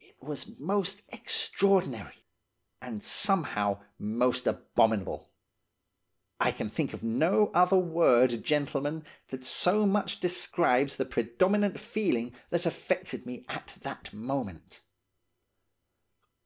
It was most extraordinary, and somehow most abominable. I can think of no other word, gentlemen, that so much describes the predominant feeling that affected me at the moment.